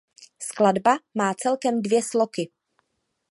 Skladba má celkem dvě sloky.